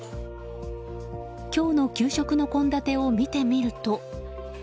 今日の給食の献立を見てみると。